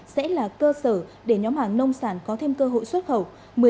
sẽ là cơ sở để nhóm hàng nông sản có thêm cơ hội xuất khẩu